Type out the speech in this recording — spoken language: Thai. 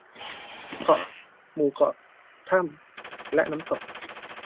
เกาะ หมู่เกาะ ถ้ำ และน้ำตก